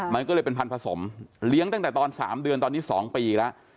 มันก็เลยเป็นพันธสมเลี้ยงตั้งแต่ตอน๓เดือนตอนนี้๒ปีแล้ว